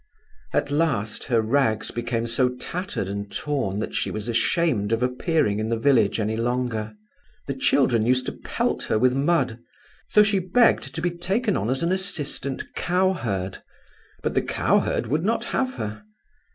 "At last her rags became so tattered and torn that she was ashamed of appearing in the village any longer. The children used to pelt her with mud; so she begged to be taken on as assistant cowherd, but the cowherd would not have her.